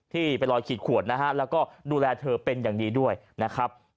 ที่เป็นรอยขีดขวดนะฮะแล้วก็ดูแลเธอเป็นอย่างดีด้วยนะครับ